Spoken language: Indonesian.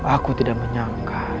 aku tidak menyangka